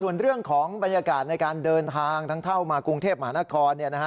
ส่วนเรื่องของบรรยากาศในการเดินทางทั้งเข้ามากรุงเทพมหานคร